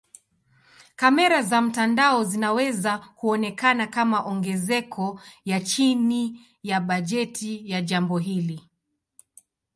Kamera za mtandao zinaweza kuonekana kama ongezeko ya chini ya bajeti ya jambo hili.